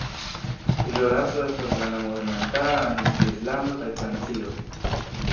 Ĵuraso estas la nomo de montaro en Svislando kaj Francio.